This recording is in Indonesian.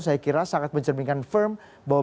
saya kira sangat mencerminkan firm bahwa